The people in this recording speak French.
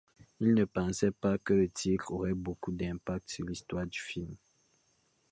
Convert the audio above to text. Il ne pensait pas que le titre aurait beaucoup d'impact sur l'histoire du film.